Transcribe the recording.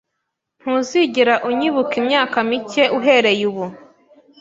Ntuzigera unyibuka imyaka mike uhereye ubu